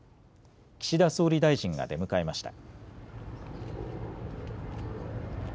岸田総理大臣が出迎えました。